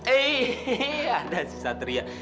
eh ada si satria